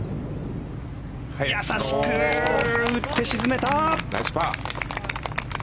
優しく打って沈めた！